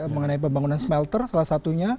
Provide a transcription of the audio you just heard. mengenai pembangunan smelter salah satunya